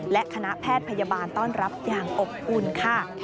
และคณะแพทย์พยาบาลต้อนรับอย่างอบอุ่นค่ะ